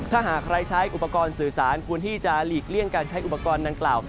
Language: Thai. ถ้าหากใครใช้อุปกรณ์สื่อสารควรที่จะหลีกเลี่ยงการใช้อุปกรณ์ดังกล่าว